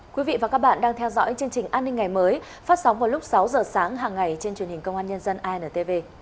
quý vị và các bạn đang theo dõi chương trình an ninh ngày mới phát sóng vào lúc sáu giờ sáng hàng ngày trên truyền hình công an nhân dân intv